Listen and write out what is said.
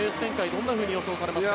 どんなふうに予想されますか。